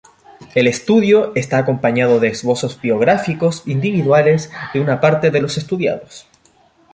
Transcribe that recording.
El estudio está acompañado de esbozos biográficos individuales de una parte de los estudiados.